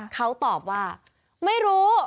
เขาตอบว่าไม่รู้